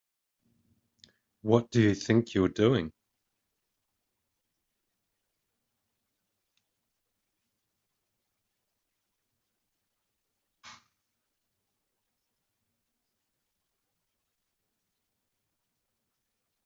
What do you think you're doing?